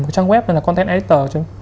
ừ một cái trang web đó là content editor